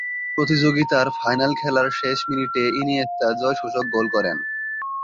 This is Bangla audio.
প্রতিযোগিতার ফাইনাল খেলার শেষ মিনিটে ইনিয়েস্তা জয়সূচক গোল করেন।